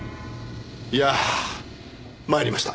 いやあ参りました！